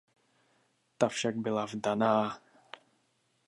Ta však byla vdaná.